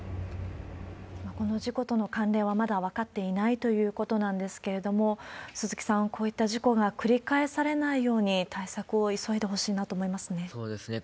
この事故との関連はまだ分かっていないということなんですけれども、鈴木さん、こういった事故が繰り返されないように、対策を急いでほしいなと思いますね。